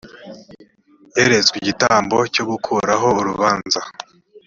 yeretswe igitambo cyo gukuraho urubanza